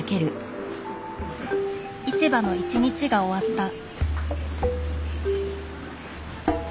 市場の一日が終わった。